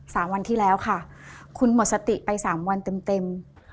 สามวันที่แล้วค่ะคุณหมดสติไปสามวันเต็มเต็ม